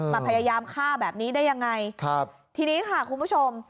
พยายามฆ่าแบบนี้ได้ยังไงครับทีนี้ค่ะคุณผู้ชม